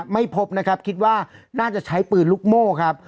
ไม่พบนะครับคิดว่าน่าจะใช้ปืนลูกโม่ครับ